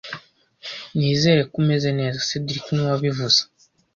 Nizere ko umeze neza cedric niwe wabivuze